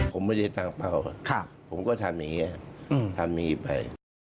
ผมไม่ได้ตั้งเปล่าผมก็ทำอย่างนี้ไป